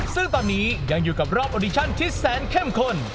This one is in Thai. ซึ่งตอนนี้ยังอยู่กับรอบออดิชั่นที่แสนเข้มข้น